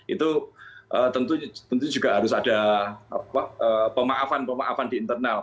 itu tentu juga harus ada pemaafan pemaafan di internal